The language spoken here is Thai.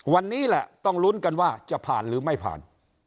วันนี้แหละต้องลุ้นกันว่าจะผ่านหรือไม่ผ่าน